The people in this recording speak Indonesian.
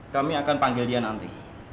kami akan panggil dia nanti